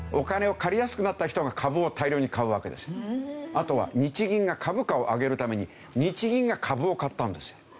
あとは日銀が株価を上げるために日銀が株を買ったんですよ。